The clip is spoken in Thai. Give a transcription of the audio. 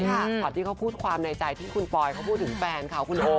ครับก่อนที่พูดความในใจที่คุณปลอยก็พูดถึงแฟนค่ะคุณโอ๊ค